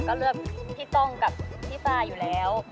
ก็เลือกพี่ก้องกับพี่ฟ้าอยู่แล้ว